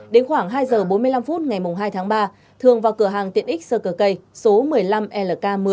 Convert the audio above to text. đến khoảng hai giờ bốn mươi năm phút ngày hai tháng ba thường vào cửa hàng tiện ích sơ cờ cây số một mươi năm lk một mươi